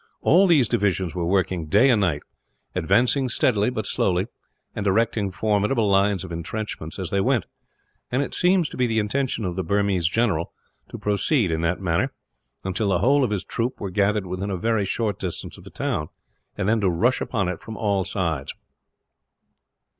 All these divisions were working, day and night; advancing steadily but slowly, and erecting formidable lines of intrenchments as they went; and it seemed to be the intention of the Burmese general to proceed in that manner, until the whole of his troops were gathered within a very short distance of the town, and then to rush upon it from all sides.